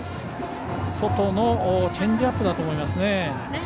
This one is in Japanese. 外のチェンジアップだと思います。